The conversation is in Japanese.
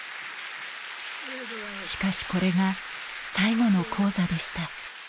しかしこれが、最後の高座でした。